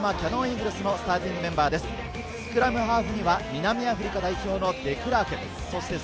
続いて初のプレーオフ、横浜キヤノンイーグルスのスターティングメンバーです。